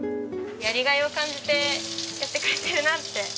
やりがいを感じてやってくれてるなって。